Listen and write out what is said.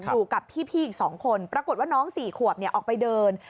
อยู่กับพี่อีก๒คนปรากฏว่าน้อง๔ขวบออกไปเดิน